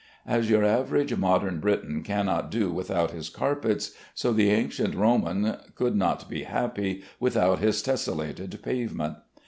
As your average modern Briton cannot do without his carpets, so the ancient Roman could not be happy without his tessellated pavement.